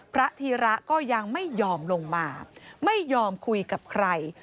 พระธีระก็ยังไม่ยอมลงมาไม่ยอมคุยกับใคร